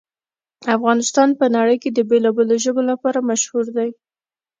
افغانستان په نړۍ کې د بېلابېلو ژبو لپاره مشهور دی.